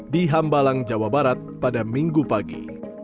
di hambalang jawa barat pada minggu pagi